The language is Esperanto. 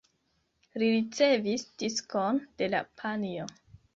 Li ricevis diskon de la panjo.